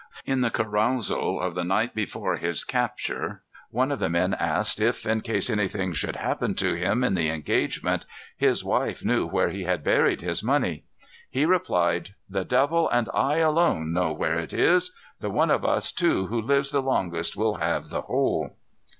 In the carousal of the night before his capture, one of the men asked if, in case anything should happen to him in the engagement, his wife knew where he had buried his money. He replied, "The devil and I alone knew where it is. The one of us two who lives the longest will have the whole."